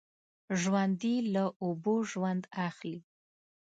ژوندي له اوبو ژوند اخلي